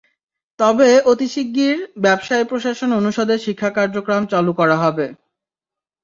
তবে অতি শিগগির ব্যবসায় প্রশাসন অনুষদে শিক্ষা কার্যক্রম চালু করা হবে।